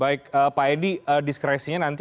baik pak edi diskresinya nanti